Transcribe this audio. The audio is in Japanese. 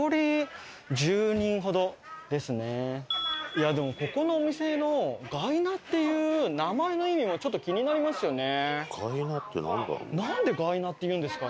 いやでもここのお店のがいなっていう名前の意味もちょっと気になりますよね。